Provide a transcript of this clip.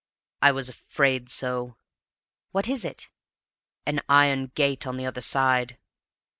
"I was afraid so!" "What is it?" "An iron gate on the other side!"